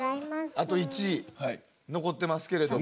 あと１位残ってますけれども。